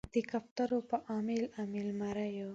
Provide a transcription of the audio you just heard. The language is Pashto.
د کوترو په امیل، امیل مریو